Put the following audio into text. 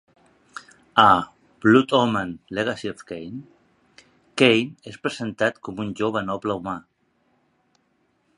A "Blood Omen: Legacy of Kain", Kain és presentat com un jove noble humà.